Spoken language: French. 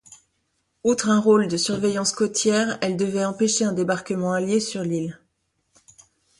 Outre un rôle de surveillance côtière, elle devait empêcher un débarquement allié sur l'île.